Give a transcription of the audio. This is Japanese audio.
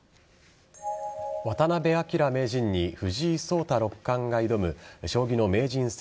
渡辺明名人に藤井聡太六冠が挑む将棋の名人戦